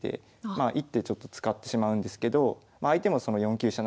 まあ１手ちょっと使ってしまうんですけど相手もその４九飛車